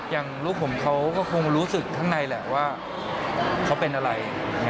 อย่างลูกผมเขาก็คงรู้สึกข้างในแหละว่าเขาเป็นอะไร